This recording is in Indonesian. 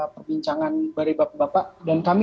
perbincangan dari bapak bapak dan kami